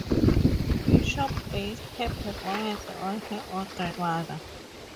Bishop based her performance on her own grandmother.